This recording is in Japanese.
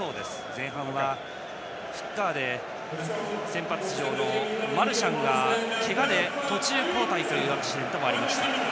前半はフッカーで先発出場のマルシャンがけがで途中交代というアクシデントもありました。